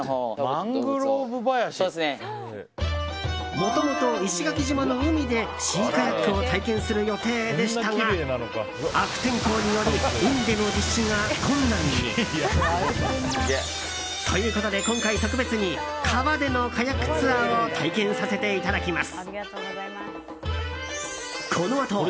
もともと石垣島の海でシーカヤックを体験する予定でしたが悪天候により海での実施が困難に。ということで今回、特別に川でのカヤックツアーを体験させていただきます。